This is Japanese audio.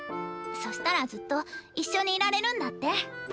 そしたらずっと一緒にいられるんだって。